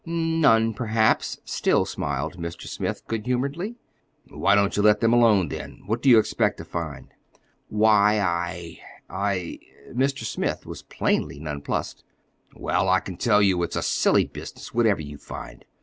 "None, perhaps," still smiled Mr. Smith good humoredly. "Why don't you let them alone, then? What do you expect to find?" "Why, I—I—" Mr. Smith was plainly nonplused. "Well, I can tell you it's a silly business, whatever you find.